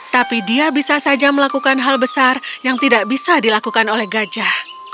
tapi dia bisa saja melakukan hal besar yang tidak bisa dilakukan oleh gajah